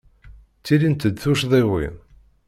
Ttilint-d tuccḍiwin.